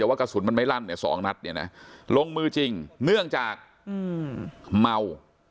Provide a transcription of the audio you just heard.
แต่ว่ากระสุนมันไม่รั่น๒นัดลงมือจริงเนื่องจากเมา